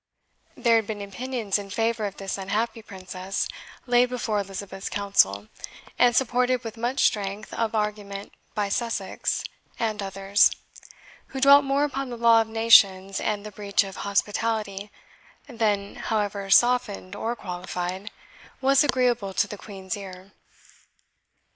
There had been opinions in favour of this unhappy princess laid before Elizabeth's council, and supported with much strength of argument by Sussex and others, who dwelt more upon the law of nations and the breach of hospitality than, however softened or qualified, was agreeable to the Queen's ear.